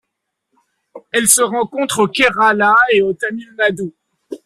Elle se rencontre au Kerala et au Tamil Nadu.